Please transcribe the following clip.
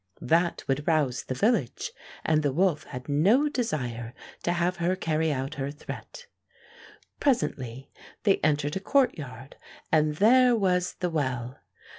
That would rouse the village, and the wolf had no desire to have her carry out her threat. Presently they entered a courtyard, and there was the well.